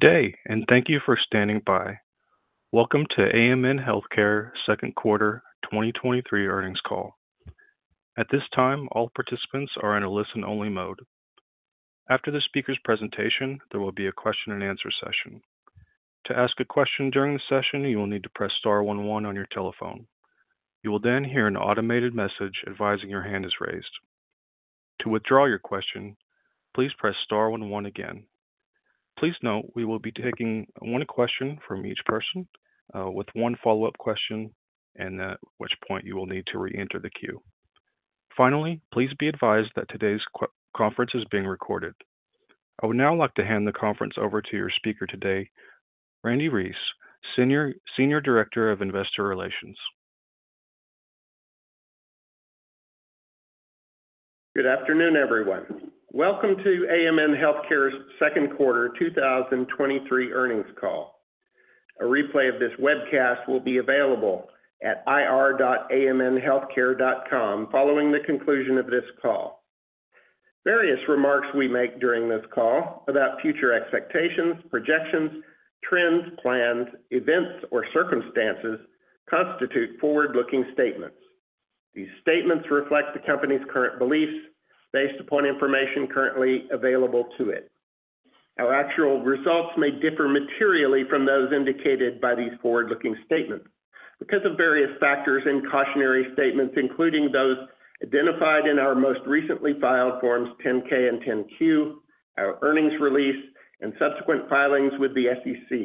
Good day. Thank you for standing by. Welcome to AMN Healthcare second quarter 2023 earnings call. At this time, all participants are in a listen-only mode. After the speaker's presentation, there will be a question-and-answer session. To ask a question during the session, you will need to press star one one on your telephone. You will hear an automated message advising your hand is raised. To withdraw your question, please press c again. Please note, we will be taking one question from each person, with one follow-up question, and at which point you will need to reenter the queue. Finally, please be advised that today's conference is being recorded. I would now like to hand the conference over to your speaker today, Randy Reece, Senior Director of Investor Relations. Good afternoon, everyone. Welcome to AMN Healthcare's Second Quarter 2023 earnings call. A replay of this webcast will be available at ir.amnhealthcare.com following the conclusion of this call. Various remarks we make during this call about future expectations, projections, trends, plans, events, or circumstances constitute forward-looking statements. These statements reflect the company's current beliefs based upon information currently available to it. Our actual results may differ materially from those indicated by these forward-looking statements because of various factors and cautionary statements, including those identified in our most recently filed Form 10-K and Form 10-Q, our earnings release, and subsequent filings with the SEC.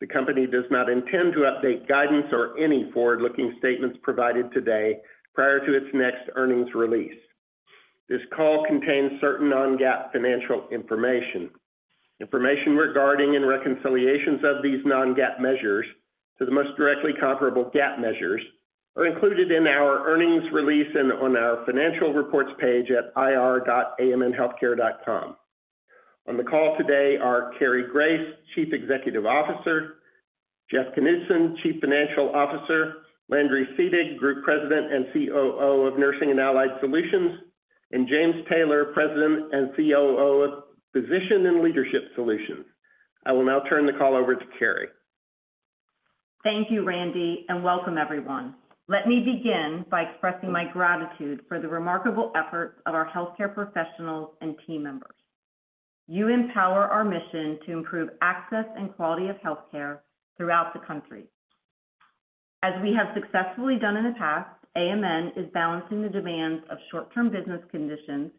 The company does not intend to update guidance or any forward-looking statements provided today prior to its next earnings release. This call contains certain non-GAAP financial information. Information regarding and reconciliations of these non-GAAP measures to the most directly comparable GAAP measures are included in our earnings release and on our financial reports page at ir.amnhealthcare.com. On the call today are Cary Grace, Chief Executive Officer, Jeff Knudson, Chief Financial Officer, Landry Seelig, Group President and COO of Nursing and Allied Solutions, and James Taylor, President and COO of Physician and Leadership Solutions. I will now turn the call over to Cary Grace. Thank you, Randy, and welcome everyone. Let me begin by expressing my gratitude for the remarkable efforts of our healthcare professionals and team members. You empower our mission to improve access and quality of healthcare throughout the country. As we have successfully done in the past, AMN is balancing the demands of short-term business conditions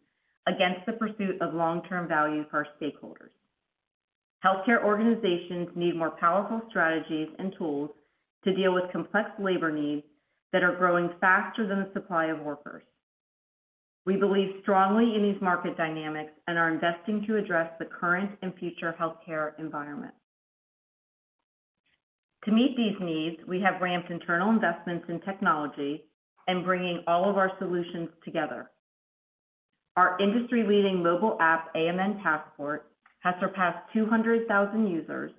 against the pursuit of long-term value for our stakeholders. Healthcare organizations need more powerful strategies and tools to deal with complex labor needs that are growing faster than the supply of workers. We believe strongly in these market dynamics and are investing to address the current and future healthcare environment. To meet these needs, we have ramped internal investments in technology and bringing all of our solutions together. Our industry-leading mobile app, AMN Passport, has surpassed 200,000 users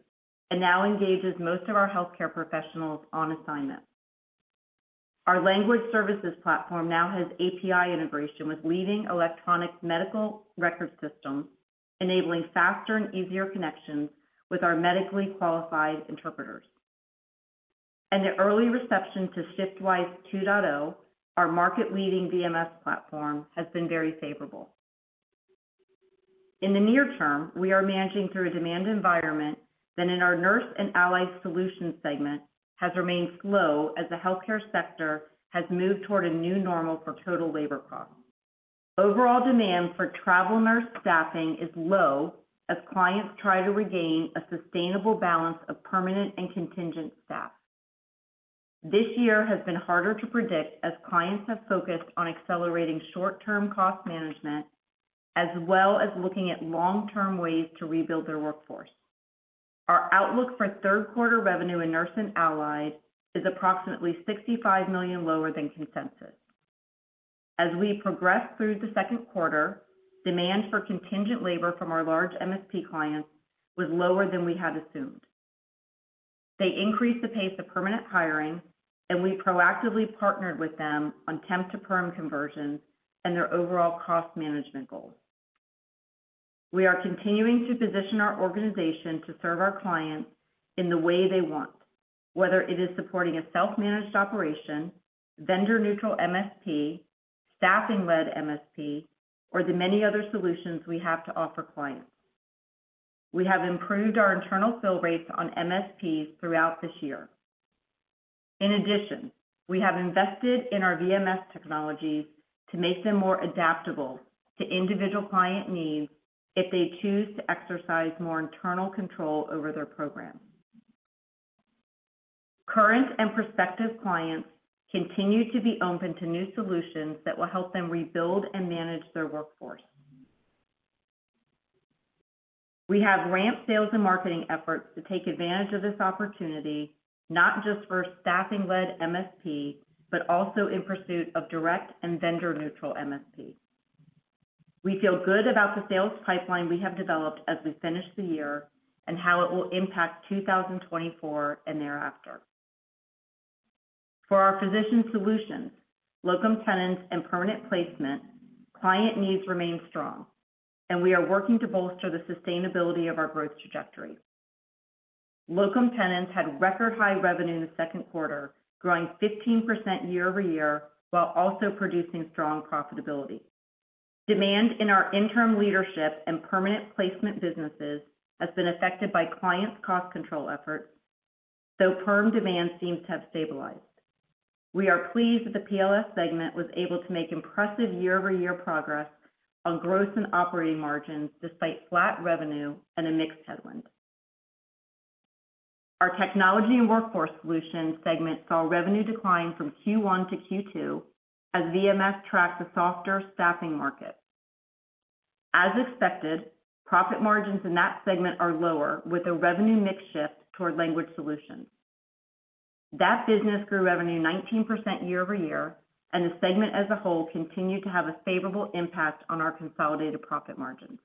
and now engages most of our healthcare professionals on assignment. Our language services platform now has API integration with leading electronic medical record systems, enabling faster and easier connections with our medically qualified interpreters. The early reception to ShiftWise 2.0, our market-leading VMS platform, has been very favorable. In the near term, we are managing through a demand environment that in our Nurse and Allied Solutions segment has remained slow as the healthcare sector has moved toward a new normal for total labor costs. Overall demand for travel nurse staffing is low as clients try to regain a sustainable balance of permanent and contingent staff. This year has been harder to predict, as clients have focused on accelerating short-term cost management, as well as looking at long-term ways to rebuild their workforce. Our outlook for third quarter revenue in Nurse and Allied is approximately $65 million lower than consensus. As we progress through the second quarter, demand for contingent labor from our large MSP clients was lower than we had assumed. They increased the pace of permanent hiring, and we proactively partnered with them on temp-to-perm conversions and their overall cost management goals. We are continuing to position our organization to serve our clients in the way they want, whether it is supporting a self-managed operation, vendor-neutral MSP, staffing-led MSP, or the many other solutions we have to offer clients. We have improved our internal fill rates on MSPs throughout this year. In addition, we have invested in our VMS technologies to make them more adaptable to individual client needs if they choose to exercise more internal control over their program. Current and prospective clients continue to be open to new solutions that will help them rebuild and manage their workforce. We have ramped sales and marketing efforts to take advantage of this opportunity, not just for staffing-led MSP, but also in pursuit of direct and vendor-neutral MSP. We feel good about the sales pipeline we have developed as we finish the year and how it will impact 2024 and thereafter. For our physician solutions, locum tenens, and permanent placement, client needs remain strong, and we are working to bolster the sustainability of our growth trajectory. Locum tenens had record high revenue in the second quarter, growing 15% year-over-year, while also producing strong profitability. Demand in our interim leadership and permanent placement businesses has been affected by clients' cost control efforts, though perm demand seems to have stabilized. We are pleased that the PLS segment was able to make impressive year-over-year progress on gross and operating margins, despite flat revenue and a mixed headwind. Our Technology and Workforce Solutions segment saw revenue decline from Q1 to Q2 as VMS tracked the softer staffing market. As expected, profit margins in that segment are lower, with a revenue mix shift toward language solutions. That business grew revenue 19% year-over-year, the segment as a whole continued to have a favorable impact on our consolidated profit margins.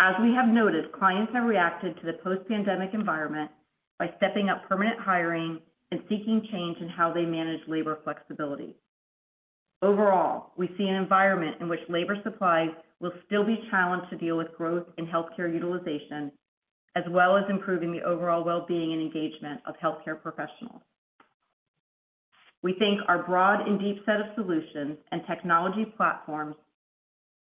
As we have noted, clients have reacted to the post-pandemic environment by stepping up permanent hiring and seeking change in how they manage labor flexibility. Overall, we see an environment in which labor supply will still be challenged to deal with growth in healthcare utilization, as well as improving the overall well-being and engagement of healthcare professionals. We think our broad and deep set of solutions and technology platforms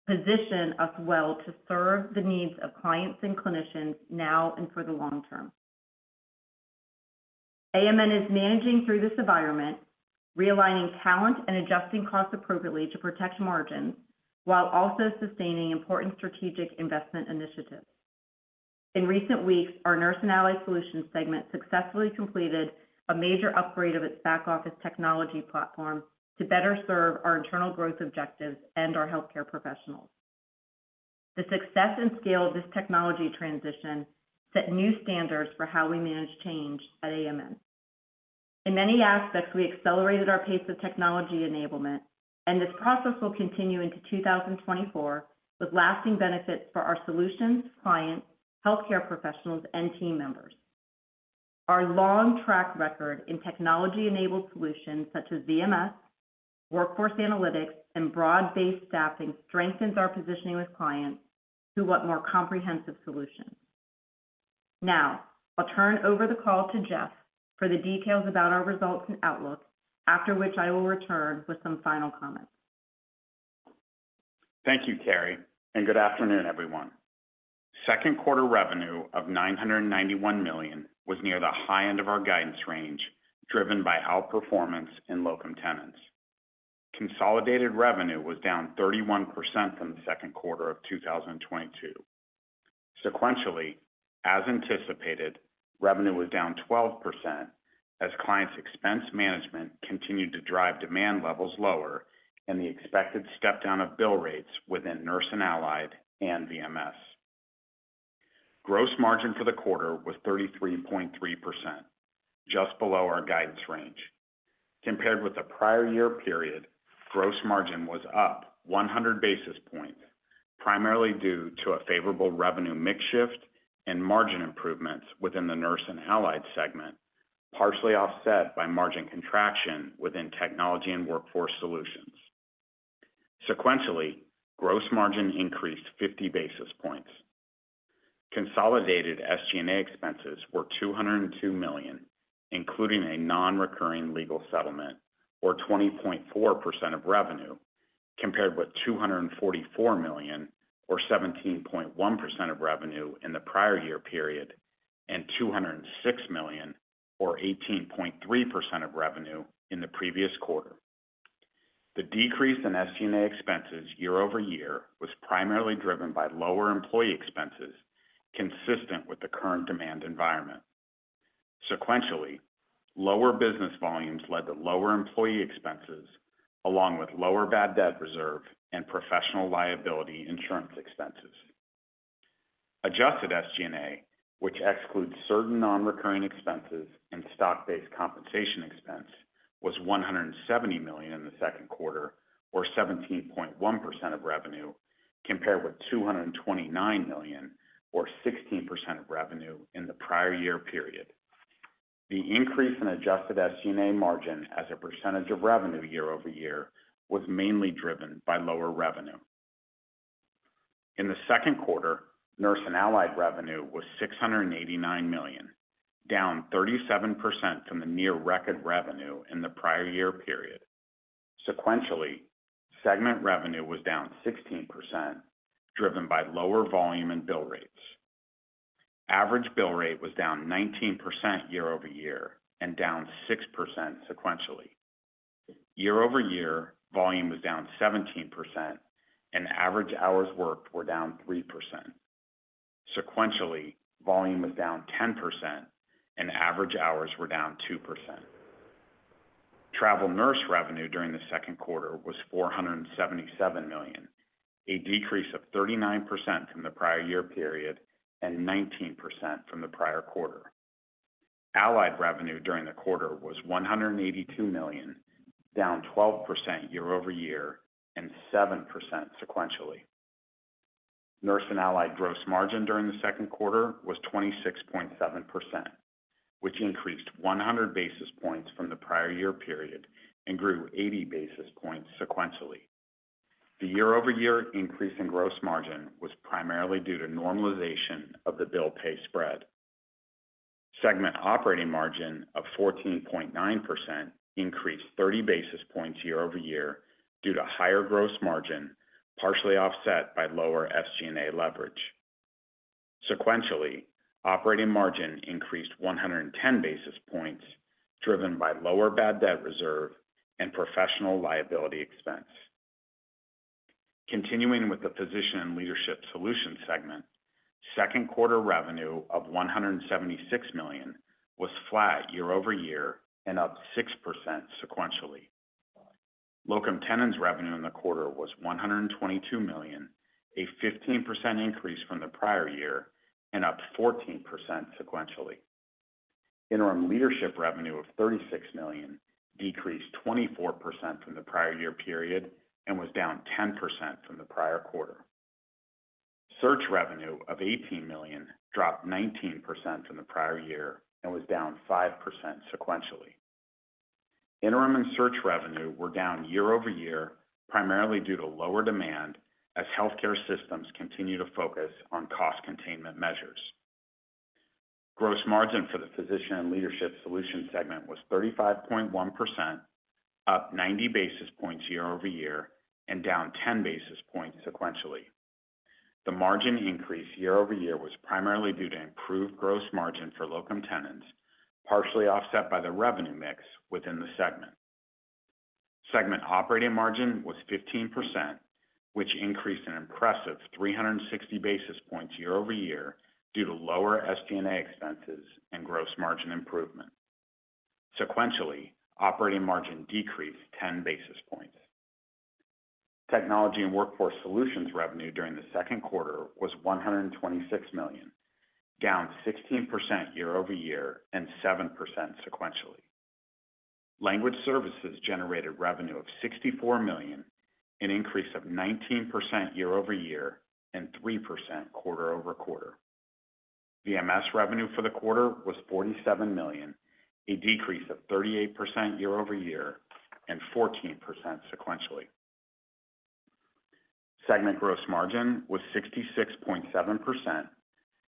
position us well to serve the needs of clients and clinicians now and for the long term. AMN is managing through this environment, realigning talent and adjusting costs appropriately to protect margins, while also sustaining important strategic investment initiatives. In recent weeks, our Nurse and Allied Solutions segment successfully completed a major upgrade of its back-office technology platform to better serve our internal growth objectives and our healthcare professionals. The success and scale of this technology transition set new standards for how we manage change at AMN. In many aspects, we accelerated our pace of technology enablement, and this process will continue into 2024, with lasting benefits for our solutions, clients, healthcare professionals, and team members. Our long track record in technology-enabled solutions such as VMS, Workforce Analytics, and broad-based staffing strengthens our positioning with clients who want more comprehensive solutions. Now, I'll turn over the call to Jeff for the details about our results and outlook, after which I will return with some final comments. Thank you, Cary, good afternoon, everyone. Second quarter revenue of $991 million was near the high end of our guidance range, driven by outperformance in locum tenens. Consolidated revenue was down 31% from the second quarter of 2022. Sequentially, as anticipated, revenue was down 12% as clients' expense management continued to drive demand levels lower and the expected step down of bill rates within Nurse and Allied and VMS. Gross margin for the quarter was 33.3%, just below our guidance range. Compared with the prior year period, gross margin was up 100 basis points, primarily due to a favorable revenue mix shift and margin improvements within the Nurse and Allied segment, partially offset by margin contraction within Technology and Workforce Solutions. Sequentially, gross margin increased 50 basis points. Consolidated SG&A expenses were $202 million, including a non-recurring legal settlement, or 20.4% of revenue, compared with $244 million or 17.1% of revenue in the prior year period, and $206 million or 18.3% of revenue in the previous quarter. The decrease in SG&A expenses year-over-year was primarily driven by lower employee expenses, consistent with the current demand environment. Sequentially, lower business volumes led to lower employee expenses, along with lower bad debt reserve and professional liability insurance expenses. Adjusted SG&A, which excludes certain non-recurring expenses and stock-based compensation expense, was $170 million in the second quarter or 17.1% of revenue, compared with $229 million or 16% of revenue in the prior year period. The increase in adjusted SG&A margin as a percentage of revenue year-over-year was mainly driven by lower revenue. In the second quarter, Nurse and Allied revenue was $689 million, down 37% from the near record revenue in the prior year period. Sequentially, segment revenue was down 16%, driven by lower volume and bill rates. Average bill rate was down 19% year-over-year and down 6% sequentially. Year-over-year, volume was down 17% and average hours worked were down 3%. Sequentially, volume was down 10% and average hours were down 2%. Travel nurse revenue during the second quarter was $477 million, a decrease of 39% from the prior year period and 19% from the prior quarter. Allied revenue during the quarter was $182 million, down 12% year-over-year and 7% sequentially. Nurse and Allied gross margin during the second quarter was 26.7%, which increased 100 basis points from the prior year period and grew 80 basis points sequentially. The year-over-year increase in gross margin was primarily due to normalization of the bill-pay spread. Segment operating margin of 14.9% increased 30 basis points year-over-year due to higher gross margin, partially offset by lower SG&A leverage. Sequentially, operating margin increased 110 basis points, driven by lower bad debt reserve and professional liability expense. Continuing with the Physician and Leadership Solutions segment, second quarter revenue of $176 million was flat year-over-year and up 6% sequentially. locum tenens revenue in the quarter was $122 million, a 15% increase from the prior year, and up 14% sequentially. Interim leadership revenue of $36 million decreased 24% from the prior year period and was down 10% from the prior quarter. Search revenue of $18 million dropped 19% from the prior year and was down 5% sequentially. Interim and search revenue were down year-over-year, primarily due to lower demand as healthcare systems continue to focus on cost containment measures. Gross margin for the Physician and Leadership Solution segment was 35.1%, up 90 basis points year-over-year and down 10 basis points sequentially. The margin increase year-over-year was primarily due to improved gross margin for locum tenens, partially offset by the revenue mix within the segment. Segment operating margin was 15%, which increased an impressive 360 basis points year-over-year due to lower SG&A expenses and gross margin improvement. Sequentially, operating margin decreased 10 basis points. Technology and Workforce Solutions revenue during the second quarter was $126 million, down 16% year-over-year and 7% sequentially. Language Services generated revenue of $64 million, an increase of 19% year-over-year and 3% quarter-over-quarter. VMS revenue for the quarter was $47 million, a decrease of 38% year-over-year and 14% sequentially. Segment gross margin was 66.7%,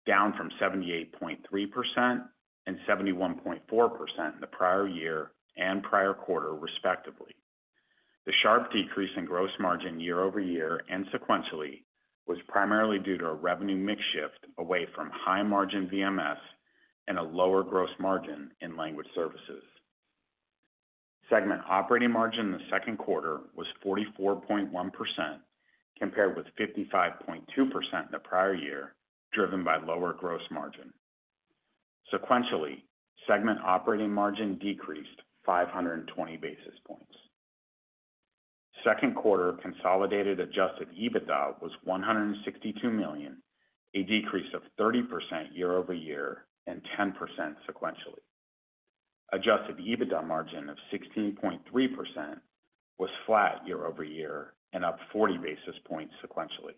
down from 78.3% and 71.4% in the prior year and prior quarter, respectively. The sharp decrease in gross margin year-over-year and sequentially, was primarily due to a revenue mix shift away from high-margin VMS and a lower gross margin in Language Services. Segment operating margin in the second quarter was 44.1%, compared with 55.2% in the prior year, driven by lower gross margin. Sequentially, segment operating margin decreased 520 basis points. Second quarter consolidated Adjusted EBITDA was $162 million, a decrease of 30% year-over-year and 10% sequentially. Adjusted EBITDA margin of 16.3% was flat year-over-year and up 40 basis points sequentially.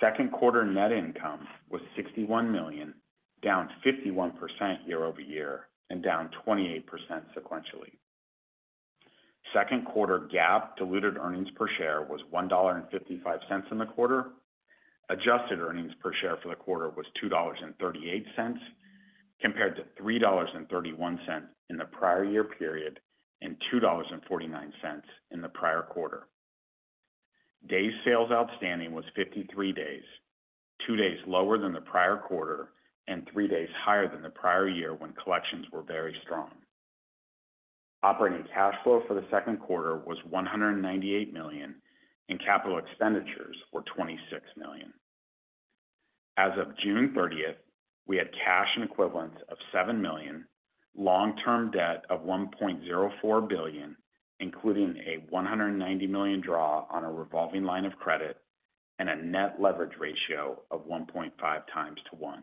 Second quarter net income was $61 million, down 51% year-over-year and down 28% sequentially. Second quarter GAAP diluted earnings per share was $1.55 in the quarter. Adjusted earnings per share for the quarter was $2.38, compared to $3.31 in the prior year period, and $2.49 in the prior quarter. DSO was 53 days, 2 days lower than the prior quarter and 3 days higher than the prior year, when collections were very strong. Operating cash flow for the second quarter was $198 million, and capital expenditures were $26 million. As of June thirtieth, we had cash and equivalents of $7 million, long-term debt of $1.04 billion, including a $190 million draw on a revolving line of credit and a net leverage ratio of 1.5x to 1.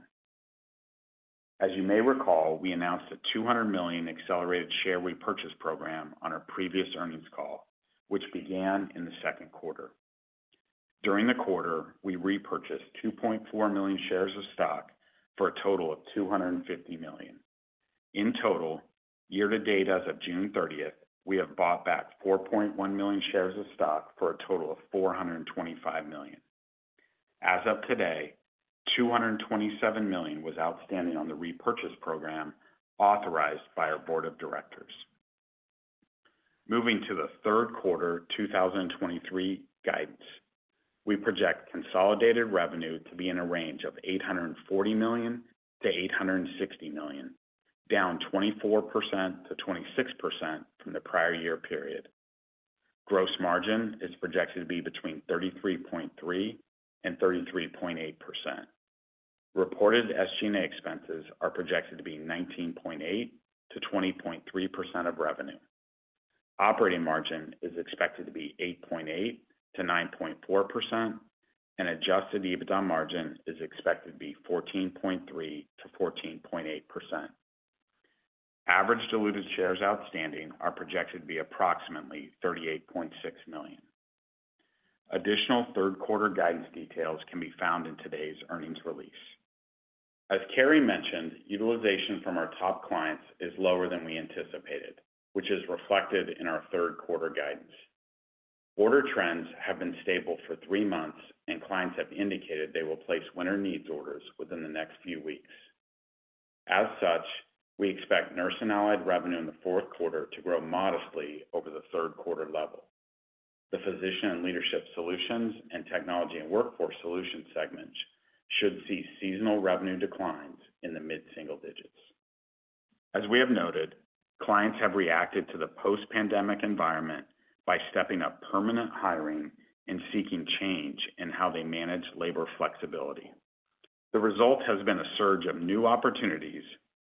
As you may recall, we announced a $200 million accelerated share repurchase program on our previous earnings call, which began in the second quarter. During the quarter, we repurchased 2.4 million shares of stock for a total of $250 million. In total, year to date, as of June 30th, we have bought back 4.1 million shares of stock for a total of $425 million. As of today, $227 million was outstanding on the repurchase program authorized by our board of directors. Moving to the 3rd quarter 2023 guidance. We project consolidated revenue to be in a range of $840 million-$860 million, down 24%-26% from the prior year period. Gross margin is projected to be between 33.3% and 33.8%. Reported SG&A expenses are projected to be 19.8%-20.3% of revenue. Operating margin is expected to be 8.8%-9.4%, and adjusted EBITDA margin is expected to be 14.3%-14.8%. Average diluted shares outstanding are projected to be approximately 38.6 million. Additional third quarter guidance details can be found in today's earnings release. As Cary mentioned, utilization from our top clients is lower than we anticipated, which is reflected in our third quarter guidance. Order trends have been stable for three months, and clients have indicated they will place winter needs orders within the next few weeks. As such, we expect Nurse and Allied revenue in the fourth quarter to grow modestly over the third quarter level. The Physician and Leadership Solutions, and Technology and Workforce Solutions segments should see seasonal revenue declines in the mid-single digits. As we have noted, clients have reacted to the post-pandemic environment by stepping up permanent hiring and seeking change in how they manage labor flexibility. The result has been a surge of new opportunities,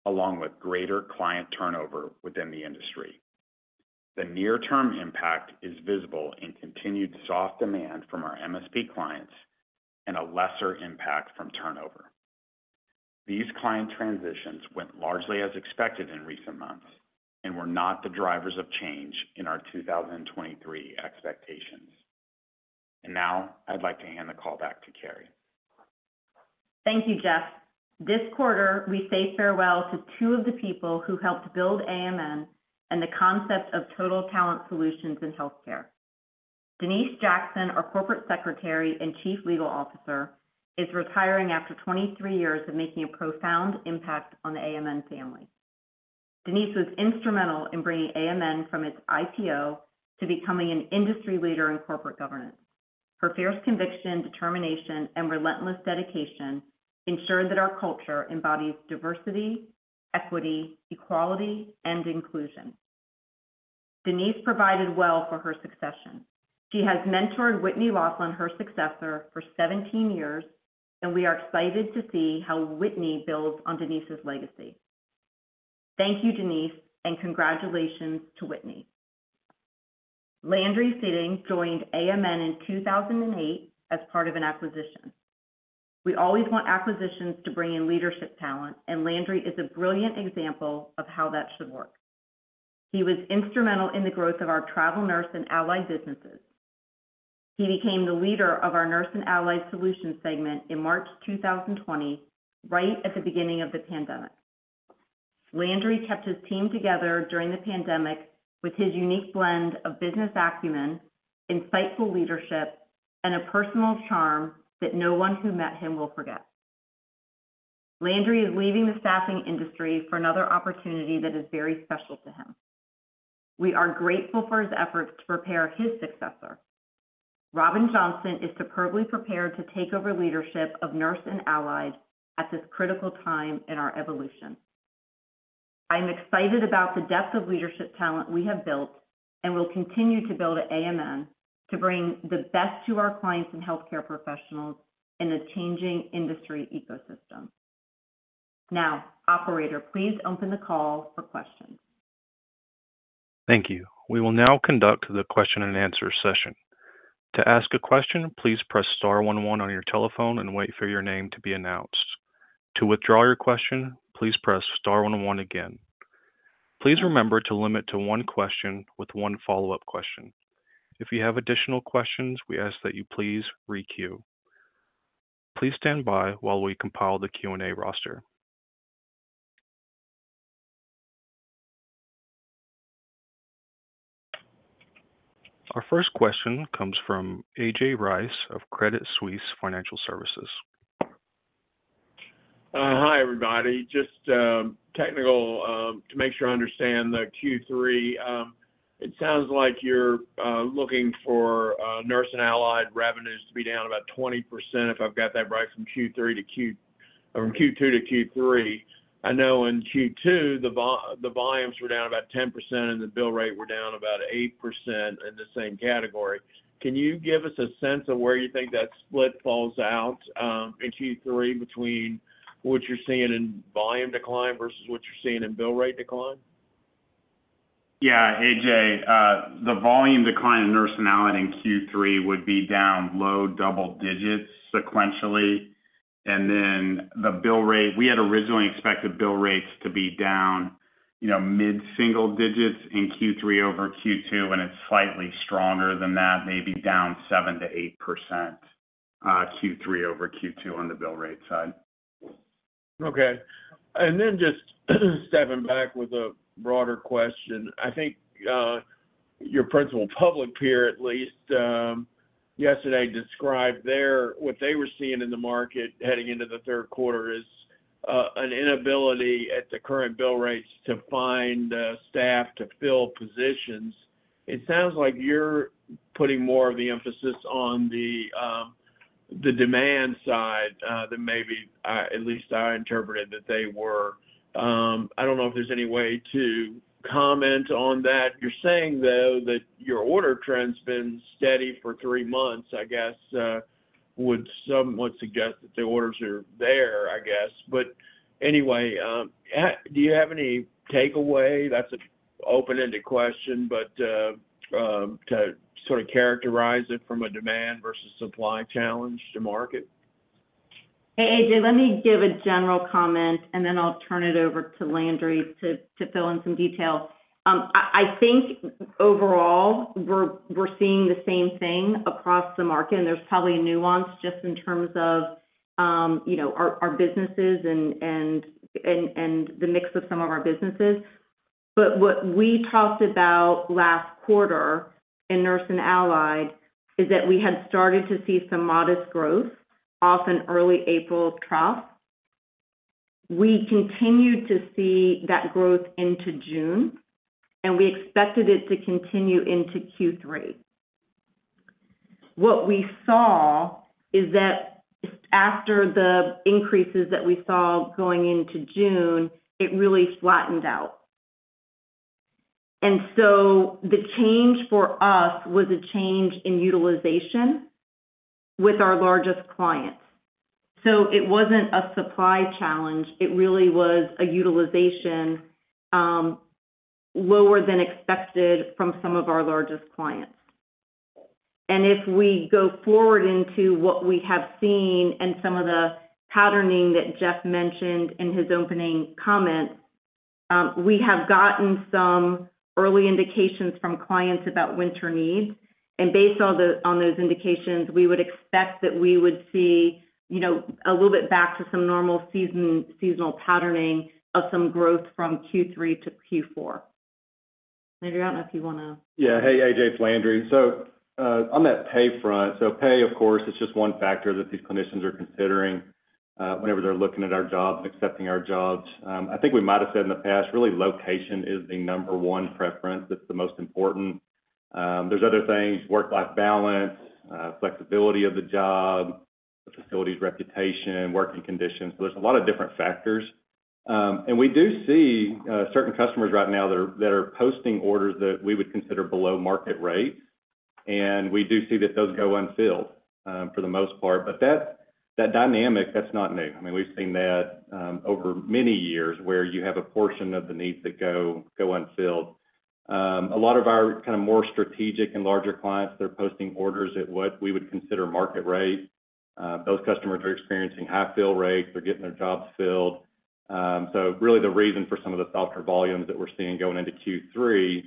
along with greater client turnover within the industry. The near-term impact is visible in continued soft demand from our MSP clients and a lesser impact from turnover. These client transitions went largely as expected in recent months and were not the drivers of change in our 2023 expectations. Now I'd like to hand the call back to Cary. Thank you, Jeff. This quarter, we say farewell to two of the people who helped build AMN and the concept of Total Talent solutions in healthcare. Denise Jackson is retiring after 23 years of making a profound impact on the AMN family. Denise was instrumental in bringing AMN from its IPO to becoming an industry leader in corporate governance. Her fierce conviction, determination, and relentless dedication ensured that our culture embodies diversity, equity, equality, and inclusion. Denise provided well for her succession. She has mentored Whitney Laughlin, her successor, for 17 years, and we are excited to see how Whitney builds on Denise's legacy. Thank you, Denise, and congratulations to Whitney. Landry Seelig joined AMN in 2008 as part of an acquisition. We always want acquisitions to bring in leadership talent, and Landry is a brilliant example of how that should work. He was instrumental in the growth of our travel nurse and allied businesses. He became the leader of our Nurse and Allied Solutions segment in March 2020, right at the beginning of the pandemic. Landry kept his team together during the pandemic with his unique blend of business acumen, insightful leadership, and a personal charm that no one who met him will forget. Landry is leaving the staffing industry for another opportunity that is very special to him. We are grateful for his efforts to prepare his successor. Robin Johnson is superbly prepared to take over leadership of Nurse and Allied at this critical time in our evolution. I'm excited about the depth of leadership talent we have built and will continue to build at AMN to bring the best to our clients and healthcare professionals in a changing industry ecosystem. Operator, please open the call for questions. Thank you. We will now conduct the question-and-answer session. To ask a question, please press star one one on your telephone and wait for your name to be announced. To withdraw your question, please press star one one again. Please remember to limit to one question with one follow-up question. If you have additional questions, we ask that you please re-queue. Please stand by while we compile the Q&A roster. Our first question comes from A.J. Rice of Credit Suisse Financial Services. Hi, everybody. Just technical to make sure I understand the Q3. It sounds like you're looking for nurse and allied revenues to be down about 20%, if I've got that right, From Q2 to Q3. I know in Q2, the volumes were down about 10%, and the bill rate were down about 8% in the same category. Can you give us a sense of where you think that split falls out in Q3 between what you're seeing in volume decline versus what you're seeing in bill rate decline? Yeah, A.J., the volume decline in Nurse and Allied in Q3 would be down low double digits sequentially, and then the bill rate, we had originally expected bill rates to be down, you know, mid-single digits in Q3 over Q2, and it's slightly stronger than that, maybe down 7%-8%, Q3 over Q2 on the bill rate side. Okay. Just stepping back with a broader question. I think, your principal public peer, at least, yesterday, described their, what they were seeing in the market heading into the third quarter is an inability at the current bill rates to find staff to fill positions. It sounds like you're putting more of the emphasis on the demand side than maybe, at least I interpreted that they were. I don't know if there's any way to comment on that. You're saying, though, that your order trend's been steady for three months, I guess, would somewhat suggest that the orders are there, I guess. Anyway, do you have any takeaway? That's an open-ended question, to sort of characterize it from a demand versus supply challenge to market? Hey, A.J., let me give a general comment, and then I'll turn it over to Landry to, to fill in some detail. I think overall, we're, we're seeing the same thing across the market, and there's probably a nuance just in terms of, you know, our businesses and the mix of some of our businesses. What we talked about last quarter in Nurse and Allied is that we had started to see some modest growth off an early April trough. We continued to see that growth into June, and we expected it to continue into Q3. What we saw is that after the increases that we saw going into June, it really flattened out. The change for us was a change in utilization with our largest clients. It wasn't a supply challenge, it really was a utilization, lower than expected from some of our largest clients. If we go forward into what we have seen and some of the patterning that Jeff mentioned in his opening comments, we have gotten some early indications from clients about winter needs, and based on those indications, we would expect that we would see, you know, a little bit back to some normal season, seasonal patterning of some growth from Q3 to Q4. Landry, I don't know if you wanna- Yeah. Hey, A.J., it's Landry. On that pay front, pay, of course, is just one factor that these clinicians are considering whenever they're looking at our jobs, accepting our jobs. I think we might have said in the past, really, location is the number one preference. That's the most important. There's other things: work-life balance, flexibility of the job, the facility's reputation, working conditions. There's a lot of different factors. We do see certain customers right now that are posting orders that we would consider below market rate, and we do see that those go unfilled for the most part. That, that dynamic, that's not new. I mean, we've seen that over many years, where you have a portion of the needs that go, go unfilled. A lot of our kind of more strategic and larger clients, they're posting orders at what we would consider market rate. Those customers are experiencing high fill rates. They're getting their jobs filled. Really, the reason for some of the softer volumes that we're seeing going into Q3,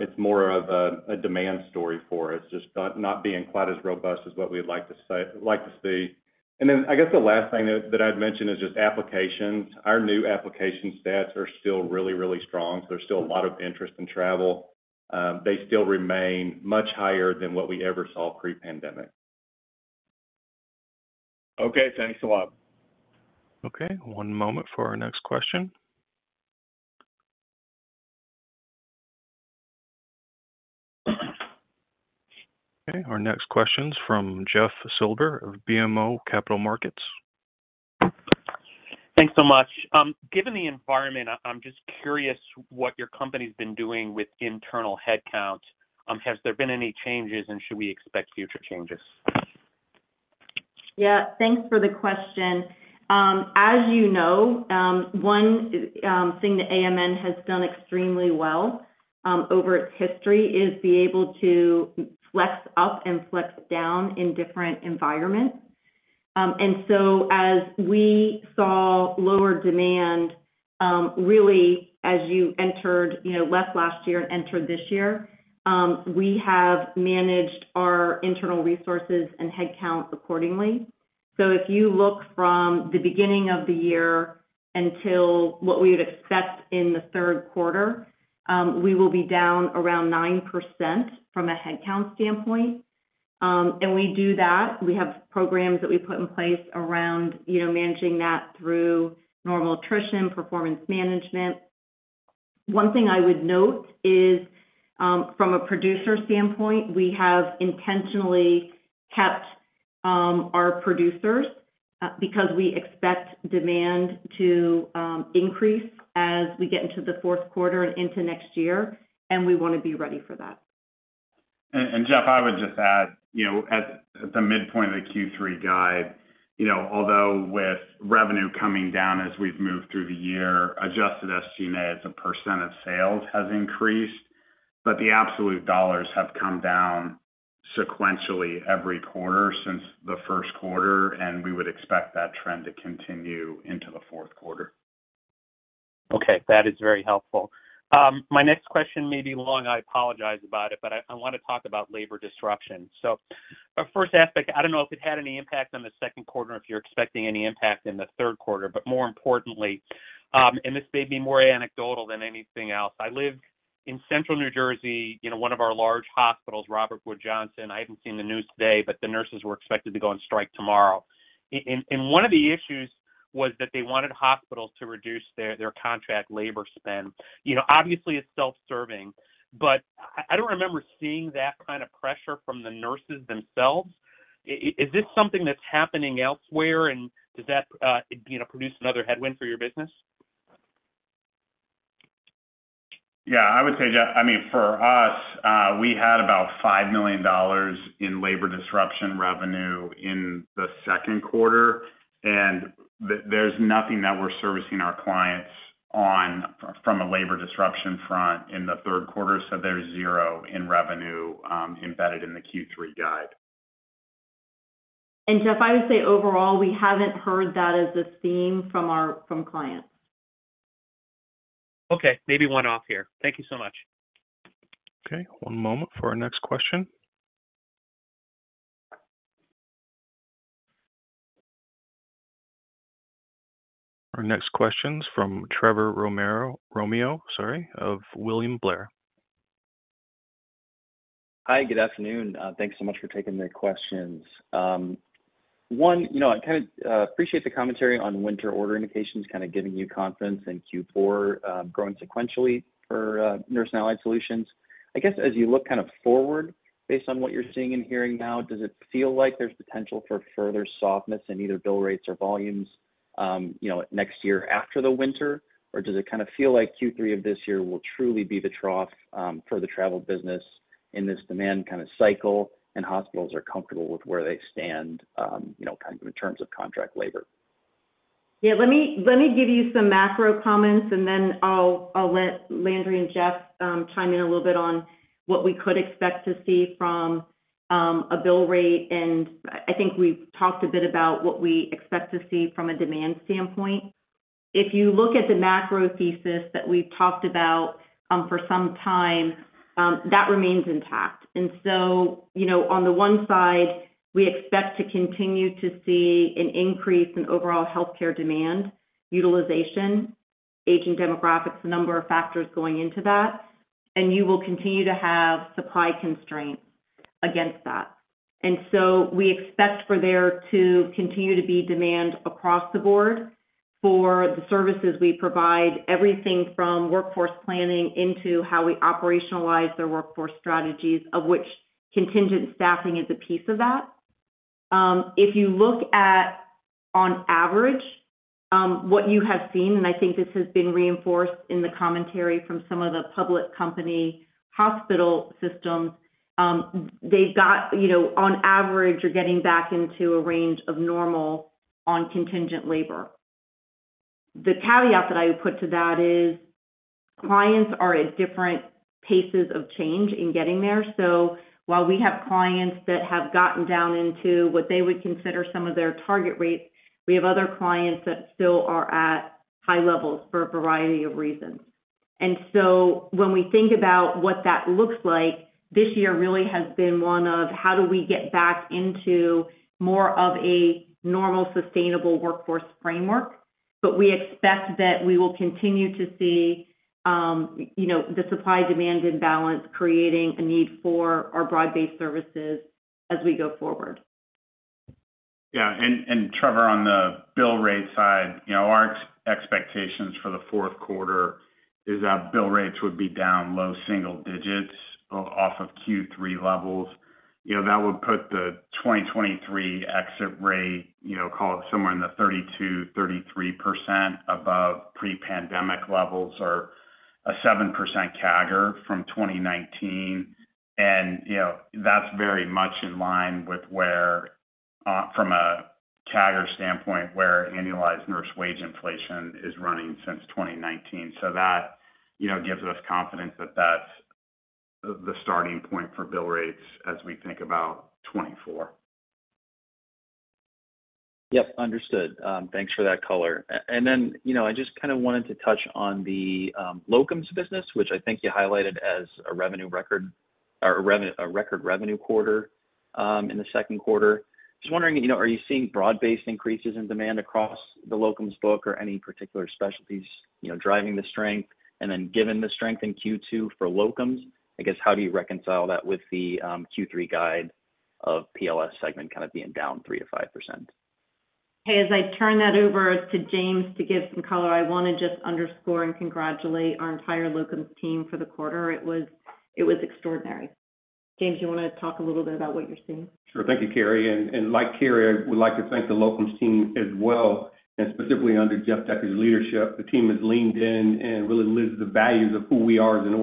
it's more of a, a demand story for us, just not, not being quite as robust as what we'd like to see. I guess the last thing that, that I'd mention is just applications. Our new application stats are still really, really strong, so there's still a lot of interest in travel. They still remain much higher than what we ever saw pre-pandemic. Okay, thanks a lot. Okay, one moment for our next question. Okay, our next question's from Jeff Silber of BMO Capital Markets. Thanks so much. Given the environment, I'm just curious what your company's been doing with internal headcount. Has there been any changes, and should we expect future changes? Yeah, thanks for the question. As you know, one thing that AMN has done extremely well over its history is be able to flex up and flex down in different environments. As we saw lower demand, really, as you entered, you know, left last year and entered this year, we have managed our internal resources and headcount accordingly. If you look from the beginning of the year until what we would expect in the third quarter, we will be down around 9% from a headcount standpoint. We do that. We have programs that we put in place around, you know, managing that through normal attrition, performance management. One thing I would note is, from a producer standpoint, we have intentionally kept our producers, because we expect demand to increase as we get into the fourth quarter and into next year, and we want to be ready for that. Jeff, I would just add, you know, at, at the midpoint of the Q3 guide, you know, although with revenue coming down as we've moved through the year, adjusted SG&A as a % of sales has increased. The absolute dollars have come down sequentially every quarter since the first quarter. We would expect that trend to continue into the fourth quarter. Okay, that is very helpful. My next question may be long. I apologize about it, but I, I want to talk about labor disruption. The first aspect, I don't know if it had any impact on the second quarter, if you're expecting any impact in the third quarter, but more importantly, and this may be more anecdotal than anything else. I live in central New Jersey, you know, one of our large hospitals, Robert Wood Johnson. I haven't seen the news today, but the nurses were expected to go on strike tomorrow. One of the issues was that they wanted hospitals to reduce their, their contract labor spend. You know, obviously, it's self-serving, but I, I don't remember seeing that kind of pressure from the nurses themselves. Is this something that's happening elsewhere, and does that, you know, produce another headwind for your business? Yeah, I would say, Jeff, I mean, for us, we had about $5 million in labor disruption revenue in the second quarter.... there's nothing that we're servicing our clients on from a labor disruption front in the third quarter, so there's $0 in revenue embedded in the Q3 guide. Jeff, I would say overall, we haven't heard that as a theme from our, from clients. Okay, maybe one off here. Thank you so much. Okay, one moment for our next question. Our next question's from Trevor Romeo, Romeo, sorry, of William Blair. Hi, good afternoon. Thanks so much for taking the questions. One, you know, I kind of appreciate the commentary on winter order indications, kind of giving you confidence in Q4, growing sequentially for Nurse and Allied Solutions. I guess, as you look kind of forward, based on what you're seeing and hearing now, does it feel like there's potential for further softness in either bill rates or volumes, you know, next year after the winter? Or does it kind of feel like Q3 of this year will truly be the trough for the travel business in this demand kind of cycle, and hospitals are comfortable with where they stand, you know, kind of in terms of contract labor? Yeah, let me, let me give you some macro comments, and then I'll, I'll let Landry and Jeff, chime in a little bit on what we could expect to see from a bill rate. I think we've talked a bit about what we expect to see from a demand standpoint. If you look at the macro thesis that we've talked about, for some time, that remains intact. So, you know, on the one side, we expect to continue to see an increase in overall healthcare demand, utilization, aging demographics, a number of factors going into that, and you will continue to have supply constraints against that. We expect for there to continue to be demand across the board for the services we provide, everything from workforce planning into how we operationalize their workforce strategies, of which contingent staffing is a piece of that. If you look at on average, what you have seen, and I think this has been reinforced in the commentary from some of the public company hospital systems, they've got, you know, on average, are getting back into a range of normal on contingent labor. The caveat that I would put to that is, clients are at different paces of change in getting there. While we have clients that have gotten down into what they would consider some of their target rates, we have other clients that still are at high levels for a variety of reasons. When we think about what that looks like, this year really has been one of, how do we get back into more of a normal, sustainable workforce framework? We expect that we will continue to see, you know, the supply-demand imbalance creating a need for our broad-based services as we go forward. Yeah, and Trevor, on the bill rate side, you know, our expectations for the fourth quarter is that bill rates would be down low single digits off of Q3 levels. You know, that would put the 2023 exit rate, you know, call it somewhere in the 32%-33% above pre-pandemic levels, or a 7% CAGR from 2019. You know, that's very much in line with where from a CAGR standpoint, where annualized nurse wage inflation is running since 2019. That, you know, gives us confidence that that's the starting point for bill rates as we think about 2024. Yep, understood. Thanks for that color. You know, I just kind of wanted to touch on the locums business, which I think you highlighted as a revenue record, or a record revenue quarter, in the second quarter. Just wondering, you know, are you seeing broad-based increases in demand across the locums book or any particular specialties, you know, driving the strength? Given the strength in Q2 for locums, I guess, how do you reconcile that with the Q3 guide of PLS segment kind of being down 3%-5%? Hey, as I turn that over to James to give some color, I want to just underscore and congratulate our entire locums team for the quarter. It was, it was extraordinary. James, you want to talk a little bit about what you're seeing? Sure. Thank you, Cary, and like Cary, I would like to thank the locums team as well. Specifically under Jeff Decker's leadership, the team has leaned in and really lived the values of who we are as an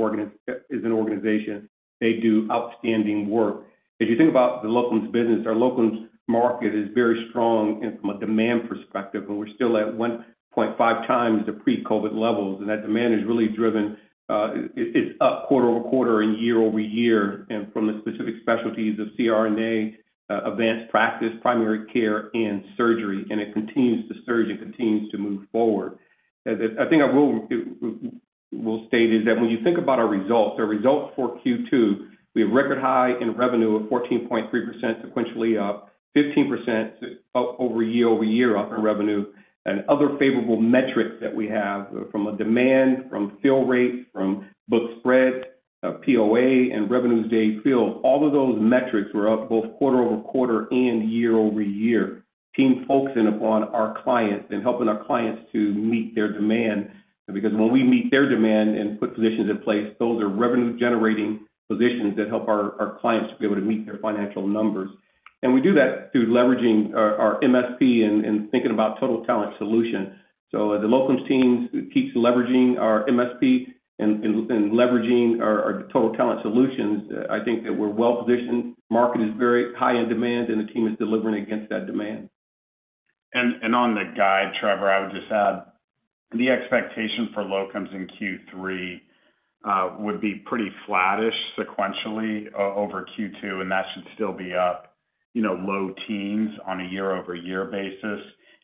organization. They do outstanding work. If you think about the locums business, our locums market is very strong and from a demand perspective, and we're still at 1.5x the pre-COVID levels. That demand has really driven, it's up quarter-over-quarter and year-over-year, and from the specific specialties of CRNA, advanced practice, primary care, and surgery. It continues to surge and continues to move forward. I, I think I will state is that when you think about our results, our results for Q2, we have record high in revenue of 14.3%, sequentially up 15% over year-over-year up in revenue, and other favorable metrics that we have from a demand, from fill rates, from book spread, POA and revenue days filled. All of those metrics were up both quarter-over-quarter and year-over-year. Team focusing upon our clients and helping our clients to meet their demand, because when we meet their demand and put positions in place, those are revenue-generating positions that help our, our clients to be able to meet their financial numbers. We do that through leveraging our, our MSP and, and thinking about Total Talent Solutions. The locums teams keeps leveraging our MSP and, and, and leveraging our, our Total Talent Solutions. I think that we're well positioned. Market is very high in demand, and the team is delivering against that demand. On the guide, Trevor, I would just add, the expectation for locums in Q3 would be pretty flattish sequentially over Q2, and that should still be up, you know, low teens on a year-over-year basis.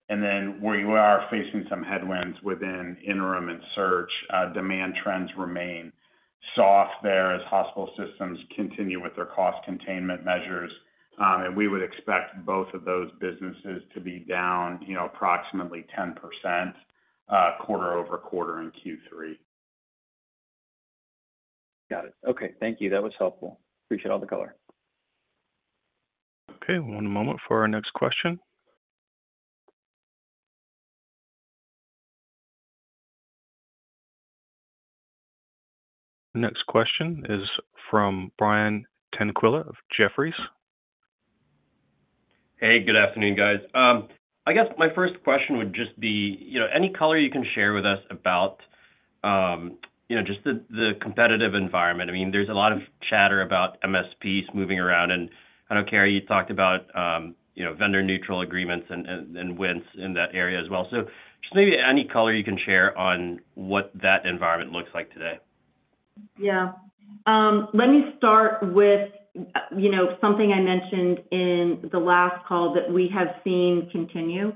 Then we are facing some headwinds within interim and search. Demand trends remain soft there as hospital systems continue with their cost containment measures. We would expect both of those businesses to be down, you know, approximately 10%, quarter-over-quarter in Q3. Got it. Okay. Thank you. That was helpful. Appreciate all the color. Okay, one moment for our next question. Next question is from Brian Tanquilut of Jefferies. Hey, good afternoon, guys. I guess my first question would just be, you know, any color you can share with us about, you know, just the, the competitive environment. I mean, there's a lot of chatter about MSPs moving around, and I know, Cary, you talked about, you know, vendor-neutral agreements and, and, and wins in that area as well. Just maybe any color you can share on what that environment looks like today? Yeah. Let me start with, you know, something I mentioned in the last call that we have seen continue.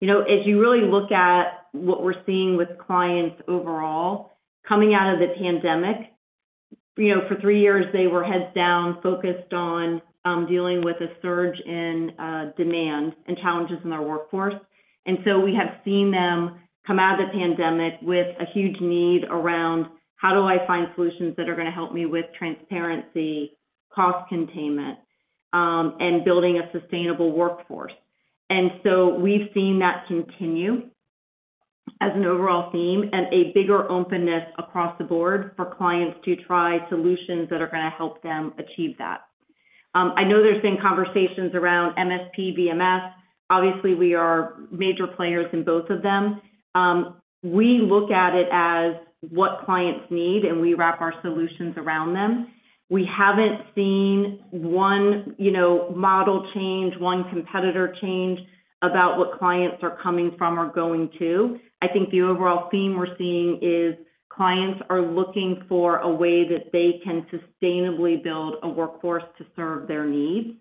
You know, as you really look at what we're seeing with clients overall, coming out of the pandemic, you know, for three years, they were heads down, focused on, dealing with a surge in, demand and challenges in their workforce. We have seen them come out of the pandemic with a huge need around: How do I find solutions that are gonna help me with transparency, cost containment, and building a sustainable workforce? We've seen that continue as an overall theme and a bigger openness across the board for clients to try solutions that are gonna help them achieve that. I know there's been conversations around MSP, VMS. Obviously, we are major players in both of them. We look at it as what clients need, and we wrap our solutions around them. We haven't seen one, you know, model change, one competitor change about what clients are coming from or going to. I think the overall theme we're seeing is clients are looking for a way that they can sustainably build a workforce to serve their needs.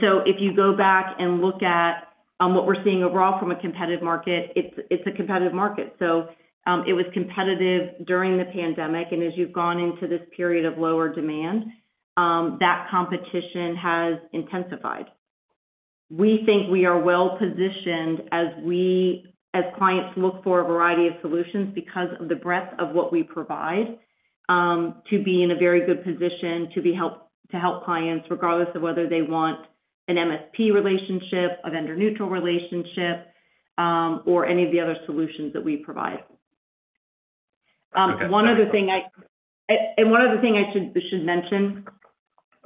If you go back and look at what we're seeing overall from a competitive market, it's, it's a competitive market. It was competitive during the pandemic, and as you've gone into this period of lower demand, that competition has intensified. We think we are well positioned as clients look for a variety of solutions because of the breadth of what we provide, to be in a very good position, to help clients, regardless of whether they want an MSP relationship, a vendor-neutral relationship, or any of the other solutions that we provide. Okay. One other thing I should, should mention,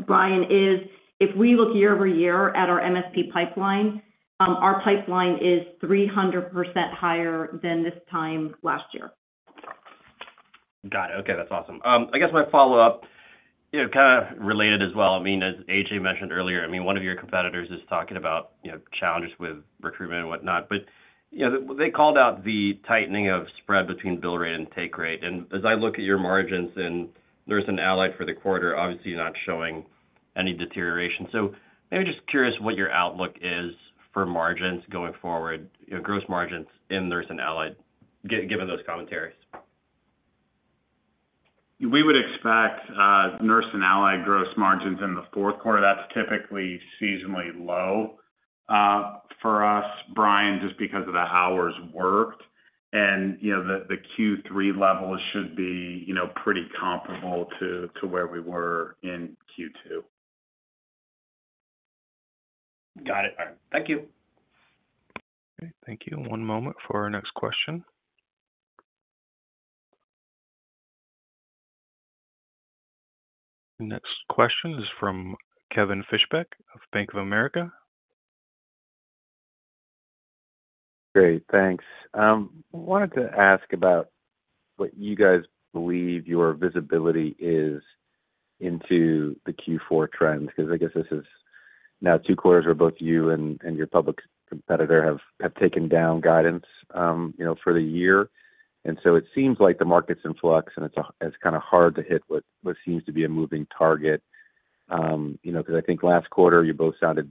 Brian, is if we look year-over-year at our MSP pipeline, our pipeline is 300% higher than this time last year. Got it. Okay, that's awesome. I guess my follow-up, you know, kind of related as well. I mean, as A.J. mentioned earlier, I mean, one of your competitors is talking about, you know, challenges with recruitment and whatnot. You know, they called out the tightening of spread between bill rate and take rate. As I look at your margins, and Nurse and Allied for the quarter, obviously not showing any deterioration. Maybe just curious what your outlook is for margins going forward, you know, gross margins in Nurse and Allied, given those commentaries. We would expect, Nurse and Allied gross margins in the fourth quarter. That's typically seasonally low, for us, Brian, just because of the hours worked. You know, the, the Q3 levels should be, you know, pretty comparable to, to where we were in Q2. Got it. All right. Thank you. Okay. Thank you. One moment for our next question. Next question is from Kevin Fischbeck of Bank of America. Great, thanks. I wanted to ask about what you guys believe your visibility is into the Q4 trends, because I guess this is now two quarters where both you and your public competitor have taken down guidance, you know, for the year. So it seems like the market's in flux, and it's kind of hard to hit what seems to be a moving target. You know, 'cause I think last quarter you both sounded,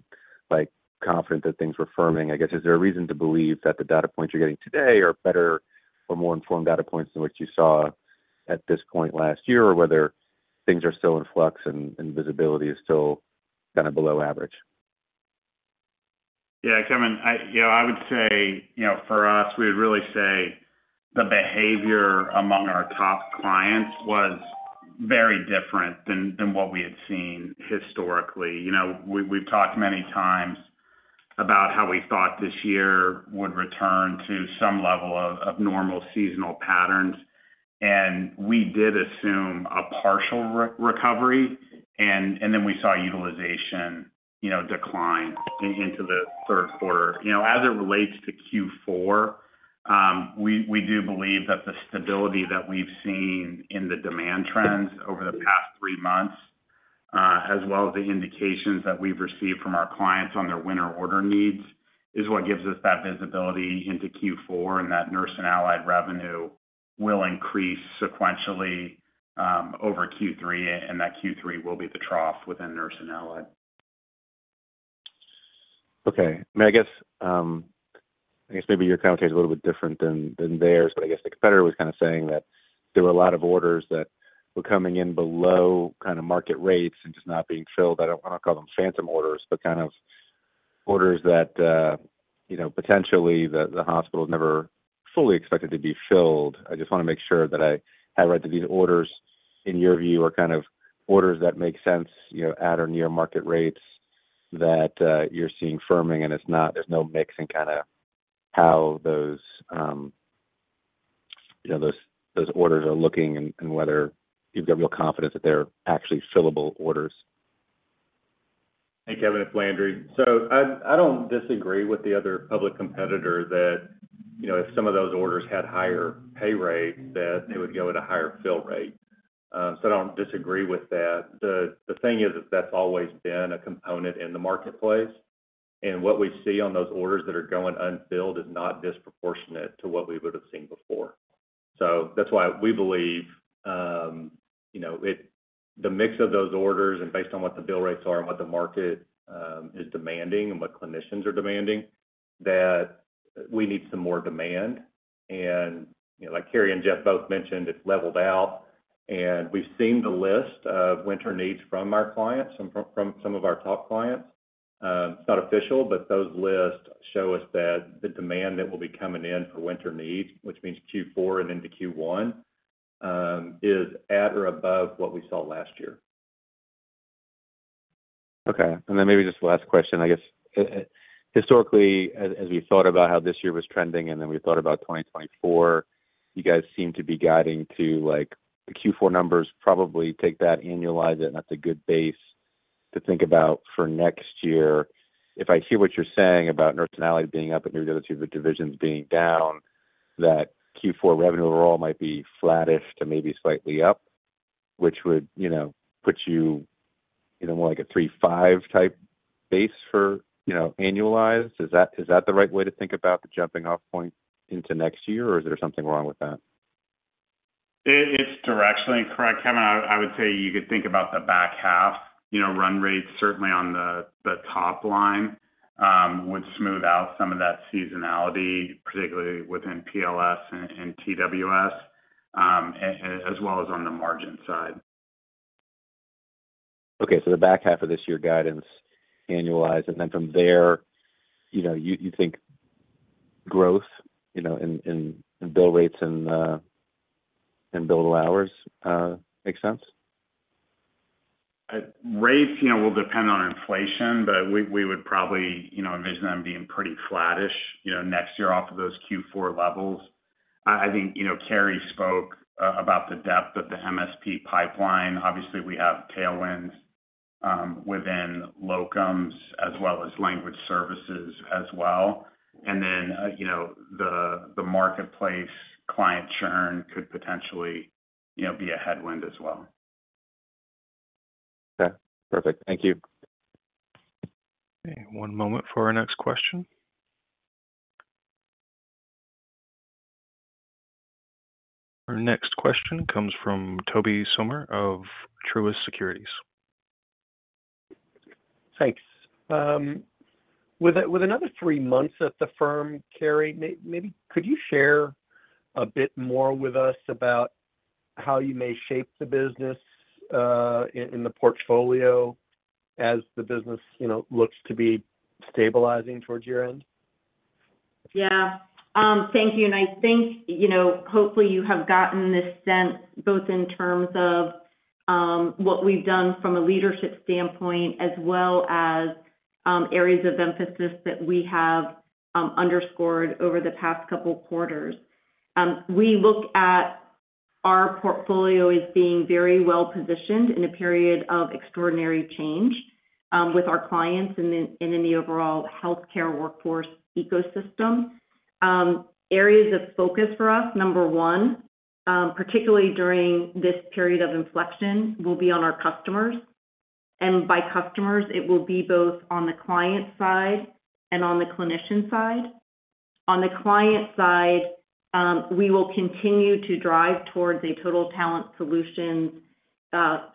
like, confident that things were firming. I guess, is there a reason to believe that the data points you're getting today are better or more informed data points than what you saw at this point last year, or whether things are still in flux and visibility is still kind of below average? Yeah, Kevin. I, you know, I would say, you know, for us, we would really say the behavior among our top clients was very different than, than what we had seen historically. You know, we've talked many times about how we thought this year would return to some level of, of normal seasonal patterns. We did assume a partial recovery, and, and then we saw utilization, you know, decline into the third quarter. You know, as it relates to Q4, we, we do believe that the stability that we've seen in the demand trends over the past three months, as well as the indications that we've received from our clients on their winter order needs, is what gives us that visibility into Q4, and that Nurse and Allied revenue will increase sequentially, over Q3, and that Q3 will be the trough within Nurse and Allied. Okay. I mean, I guess, I guess maybe your commentary is a little bit different than, than theirs, but I guess the competitor was kind of saying that there were a lot of orders that were coming in below kind of market rates and just not being filled. I don't wanna call them phantom orders, but kind of orders that, you know, potentially the, the hospital never fully expected to be filled. I just wanna make sure that I have right, that these orders, in your view, are kind of orders that make sense, you know, at or near market rates that, you're seeing firming, and it's not-- there's no mixing kind of how those, you know, those, those orders are looking and, and whether you've got real confidence that they're actually fillable orders. Hey, Kevin, it's Landry. I, I don't disagree with the other public competitor that, you know, if some of those orders had higher pay rates, that they would go at a higher fill rate. I don't disagree with that. The, the thing is, is that's always been a component in the marketplace, and what we see on those orders that are going unfilled is not disproportionate to what we would have seen before. That's why we believe, you know, the mix of those orders and based on what the bill rates are and what the market is demanding and what clinicians are demanding, that we need some more demand. You know, like Cary and Jeff both mentioned, it's leveled out, and we've seen the list of winter needs from our clients, from, from some of our top clients. It's not official, but those lists show us that the demand that will be coming in for winter needs, which means Q4 and into Q1, is at or above what we saw last year. Okay, and then maybe just last question. I guess, historically, as, as we thought about how this year was trending, and then we thought about 2024, you guys seem to be guiding to, like, the Q4 numbers, probably take that, annualize it, and that's a good base to think about for next year. If I hear what you're saying about Nurse and Allied being up and the other two of the divisions being down, that Q4 revenue overall might be flattish to maybe slightly up, which would, you know, put you, you know, more like a $3.5 billion type base for, you know, annualized. Is that, is that the right way to think about the jumping off point into next year, or is there something wrong with that? It, it's directionally correct, Kevin. I, I would say you could think about the back half. You know, run rates, certainly on the, the top line, would smooth out some of that seasonality, particularly within PLS and TWS, as well as on the margin side. Okay, the back half of this year guidance, annualize, and then from there, you know, you, you think growth, you know, in, in bill rates and billable hours makes sense? Rates, you know, will depend on inflation, but we, we would probably, you know, envision them being pretty flattish, you know, next year off of those Q4 levels. I, I think, you know, Cary spoke about the depth of the MSP pipeline. Obviously, we have tailwinds within locums as well as language services as well. You know, the, the marketplace client churn could potentially, you know, be a headwind as well. Okay, perfect. Thank you. Okay, one moment for our next question. Our next question comes from Tobey Sommer of Truist Securities. Thanks. With, with another three months at the firm, Cary, maybe could you share a bit more with us about how you may shape the business in, in the portfolio as the business, you know, looks to be stabilizing towards your end? Yeah. Thank you. I think, you know, hopefully you have gotten this sense, both in terms of, what we've done from a leadership standpoint, as well as, areas of emphasis that we have, underscored over the past couple quarters. We look at our portfolio as being very well positioned in a period of extraordinary change, with our clients and in, and in the overall healthcare workforce ecosystem. Areas of focus for us, number one, particularly during this period of inflection, will be on our customers. By customers, it will be both on the client side and on the clinician side. On the client side, we will continue to drive towards a Total Talent Solutions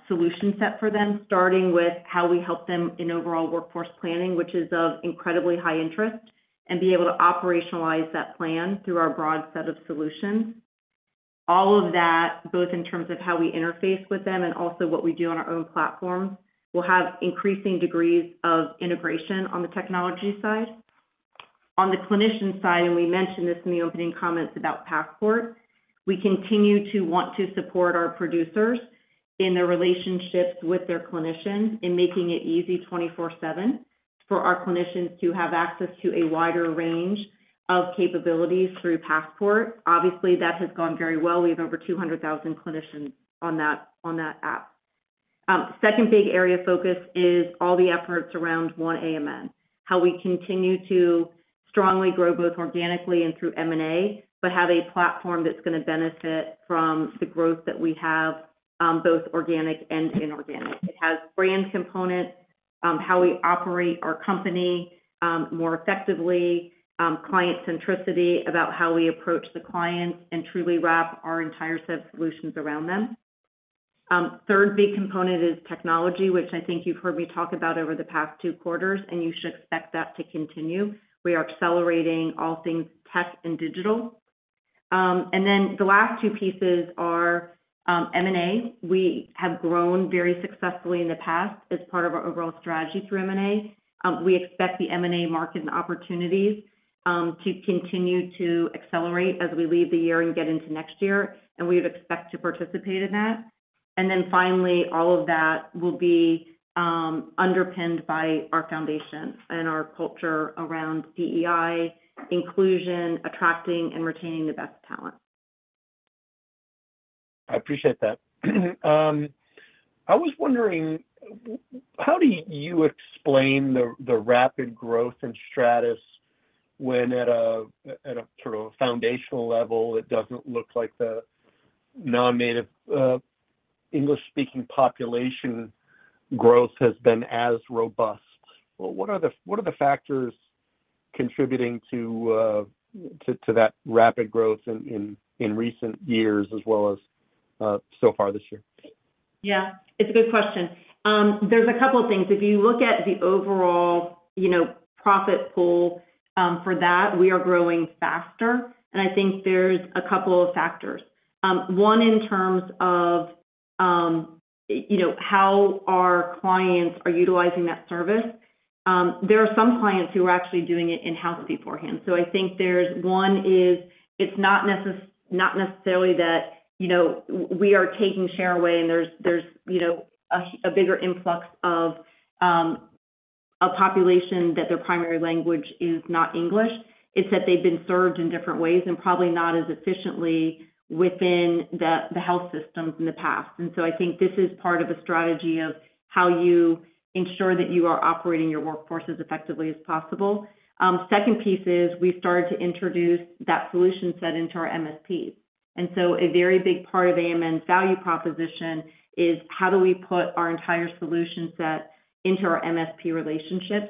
solution set for them, starting with how we help them in overall workforce planning, which is of incredibly high interest, and be able to operationalize that plan through our broad set of solutions. All of that, both in terms of how we interface with them and also what we do on our own platform, will have increasing degrees of integration on the technology side. On the clinician side, and we mentioned this in the opening comments about Passport, we continue to want to support our producers in their relationships with their clinicians in making it easy 24/7 for our clinicians to have access to a wider range of capabilities through Passport. Obviously, that has gone very well. We have over 200,000 clinicians on that, on that app. Second big area of focus is all the efforts around One AMN: how we continue to strongly grow, both organically and through M&A, but have a platform that's going to benefit from the growth that we have, both organic and inorganic. It has brand components, how we operate our company, more effectively, client centricity, about how we approach the client and truly wrap our entire set of solutions around them. Third big component is technology, which I think you've heard me talk about over the past two quarters, and you should expect that to continue. We are accelerating all things tech and digital. The last two pieces are M&A. We have grown very successfully in the past as part of our overall strategy through M&A. We expect the M&A market and opportunities to continue to accelerate as we leave the year and get into next year, and we would expect to participate in that. Finally, all of that will be underpinned by our foundation and our culture around DEI, inclusion, attracting and retaining the best talent. I appreciate that. I was wondering, how do you explain the rapid growth in Stratus when at a, at a sort of foundational level, it doesn't look like the non-native English-speaking population growth has been as robust? What are the, what are the factors contributing to that rapid growth in recent years as well as so far this year? Yeah, it's a good question. There's a couple things. If you look at the overall, you know, profit pool, for that, we are growing faster, and I think there's a couple of factors. One in terms of, you know, how our clients are utilizing that service. There are some clients who are actually doing it in-house beforehand. I think there's, one is, it's not necessarily that, you know, we are taking share away, and there's, there's, you know, a bigger influx of a population that their primary language is not English. It's that they've been served in different ways and probably not as efficiently within the, the health systems in the past. I think this is part of a strategy of how you ensure that you are operating your workforce as effectively as possible. Second piece is, we've started to introduce that solution set into our MSPs. A very big part of AMN's value proposition is, how do we put our entire solution set into our MSP relationships?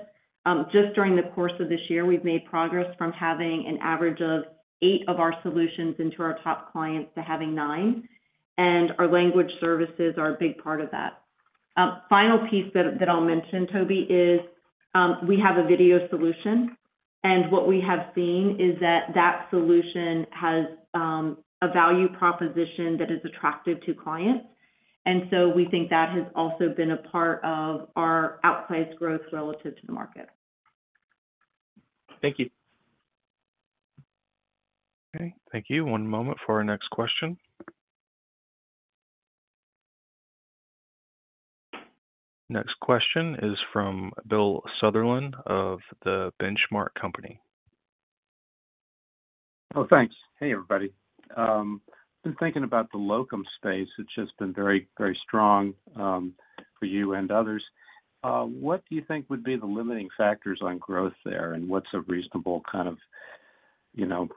Just during the course of this year, we've made progress from having an average of eight of our solutions into our top clients to having nine, and our language services are a big part of that. Final piece that, that I'll mention, Tobey, is, we have a video solution, and what we have seen is that that solution has a value proposition that is attractive to clients. We think that has also been a part of our outpaced growth relative to the market. Thank you. Okay, thank you. One moment for our next question. Next question is from Bill Sutherland of The Benchmark Company. Oh, thanks. Hey, everybody. Been thinking about the locum space, which has been very, very strong, for you and others. What do you think would be the limiting factors on growth there, and what's a reasonable kind of, you know,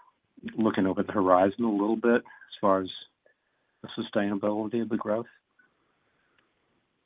looking over the horizon a little bit, as far as the sustainability of the growth?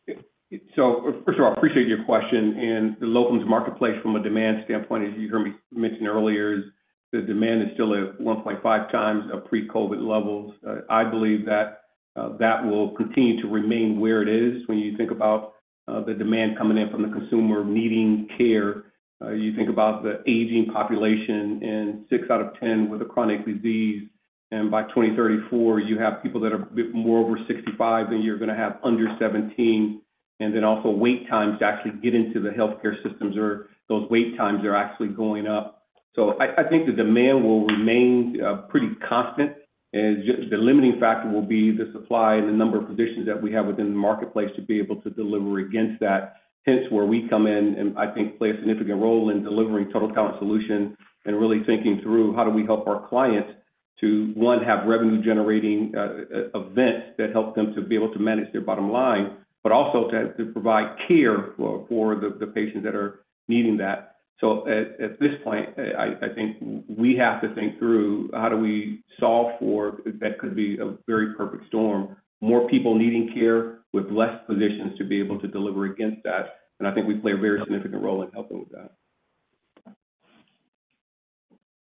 First of all, I appreciate your question. The locums marketplace, from a demand standpoint, as you heard me mention earlier, the demand is still at 1.5x of pre-COVID levels. I believe that that will continue to remain where it is when you think about the demand coming in from the consumer needing care. You think about the aging population and six out of 10 with a chronic disease, and by 2034, you have people that are a bit more over 65, then you're going to have under 17. Then also wait times to actually get into the healthcare systems or those wait times are actually going up. I, I think the demand will remain pretty constant, and the limiting factor will be the supply and the number of positions that we have within the marketplace to be able to deliver against that. Hence, where we come in, and I think play a significant role in delivering Total Talent Solutions and really thinking through how do we help our clients to, one, have revenue-generating events that help them to be able to manage their bottom line, but also to, to provide care for, for the, the patients that are needing that. At, at this point, I, I think we have to think through how do we solve for... That could be a very perfect storm, more people needing care with less physicians to be able to deliver against that. I think we play a very significant role in helping with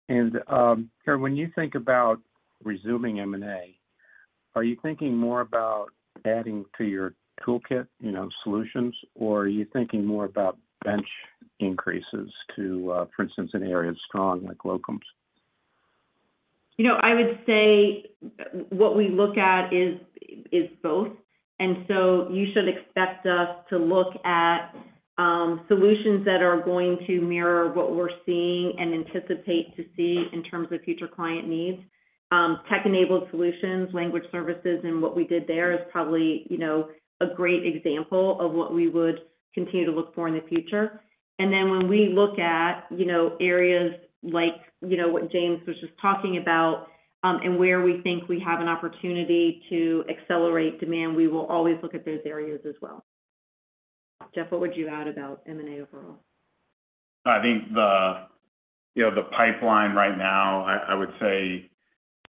that. Karen, when you think about resuming M&A, are you thinking more about adding to your toolkit, you know, solutions, or are you thinking more about bench increases to, for instance, an area strong like locums? You know, I would say what we look at is, is both. So you should expect us to look at solutions that are going to mirror what we're seeing and anticipate to see in terms of future client needs. Tech-enabled solutions, language services, and what we did there is probably, you know, a great example of what we would continue to look for in the future. Then when we look at, you know, areas like, you know, what James was just talking about, and where we think we have an opportunity to accelerate demand, we will always look at those areas as well. Jeff, what would you add about M&A overall? I think the, you know, the pipeline right now, I, I would say,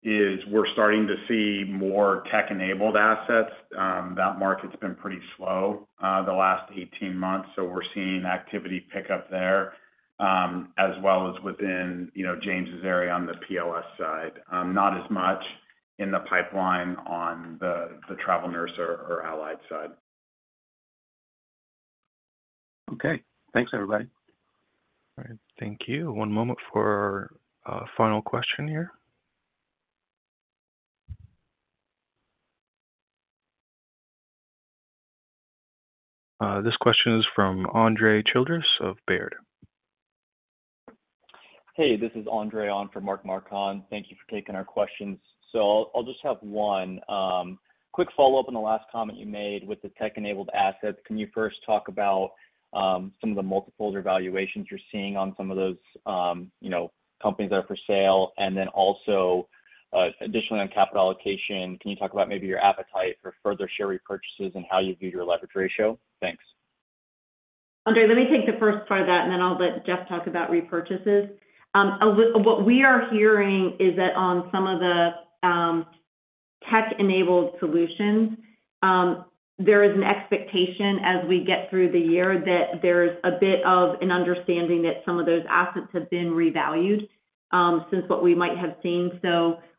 is we're starting to see more tech-enabled assets. That market's been pretty slow, the last 18 months, so we're seeing activity pick up there, as well as within, you know, James's area on the POS side. Not as much in the pipeline on the travel nurse or allied side. Okay, thanks, everybody. All right, thank you. One moment for a final question here. This question is from Andre Childress of Baird. Hey, this is Andre, on for Mark Marcon. Thank you for taking our questions. I'll just have one. Quick follow-up on the last comment you made with the tech-enabled assets. Can you first talk about some of the multiples or valuations you're seeing on some of those, you know, companies that are for sale? Then also, additionally, on capital allocation, can you talk about maybe your appetite for further share repurchases and how you view your leverage ratio? Thanks. Andre, let me take the first part of that, then I'll let Jeff talk about repurchases. What we are hearing is that on some of the tech-enabled solutions, there is an expectation as we get through the year that there's a bit of an understanding that some of those assets have been revalued since what we might have seen.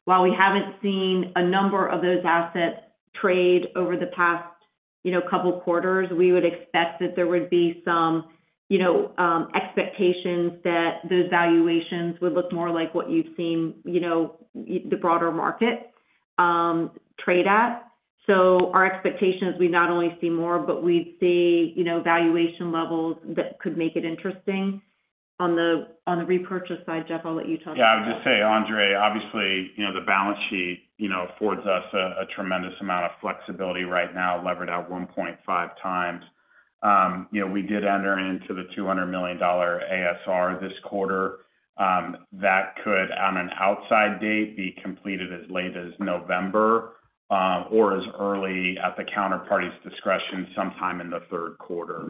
While we haven't seen a number of those assets trade over the past, you know, couple quarters, we would expect that there would be some, you know, expectations that those valuations would look more like what you've seen, you know, the broader market trade at. Our expectation is we not only see more, but we see, you know, valuation levels that could make it interesting. On the, on the repurchase side, Jeff, I'll let you talk about that. Yeah, I would just say, Andre, obviously, you know, the balance sheet, you know, affords us a, a tremendous amount of flexibility right now, levered out 1.5x. You know, we did enter into the $200 million ASR this quarter. That could, on an outside date, be completed as late as November, or as early at the counterparty's discretion, sometime in the third quarter.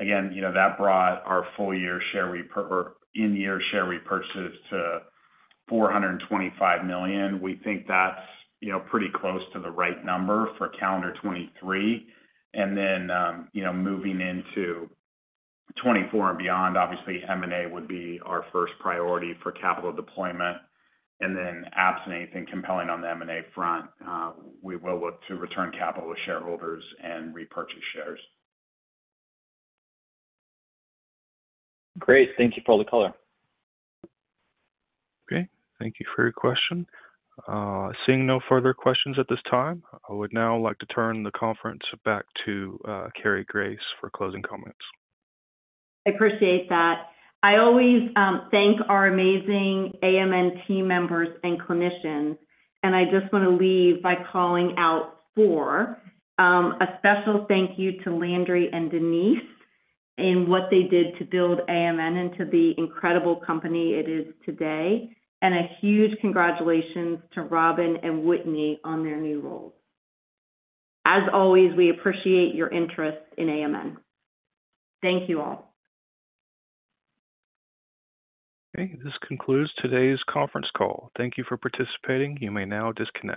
Again, you know, that brought our full year share or in-year share repurchases to $425 million. We think that's, you know, pretty close to the right number for calendar 2023. Then, you know, moving into 2024 and beyond, obviously M&A would be our first priority for capital deployment. Then absent anything compelling on the M&A front, we will look to return capital to shareholders and repurchase shares. Great. Thank you for all the color. Okay, thank you for your question. Seeing no further questions at this time, I would now like to turn the conference back to Cary Grace for closing comments. I appreciate that. I always thank our amazing AMN team members and clinicians, I just want to leave by calling out four. A special thank you to Landry and Denise in what they did to build AMN into the incredible company it is today, a huge congratulations to Robin and Whitney on their new roles. As always, we appreciate your interest in AMN. Thank you all. Okay. This concludes today's conference call. Thank you for participating. You may now disconnect.